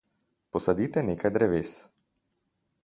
Posadite nekaj dreves.